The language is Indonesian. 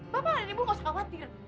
bapak dan ibu enggak usah khawatir